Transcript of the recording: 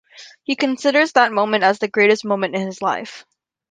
He considers that moment as the greatest moment in his life.